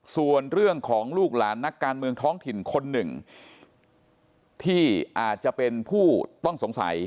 ส่วนเรื่องของลูกหลานนักการเมืองท้องถิ่นคนหนึ่งที่อาจจะเป็นผู้ต้องสงสัย